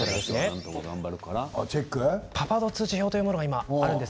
パパ度通知表というものがあります